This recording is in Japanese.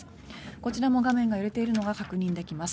こちらも画面が揺れているのが確認できます。